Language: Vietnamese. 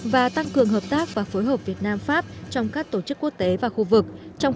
và tăng cường hợp tác và phối hợp việt nam pháp trong các tổ chức quốc tế và khu vực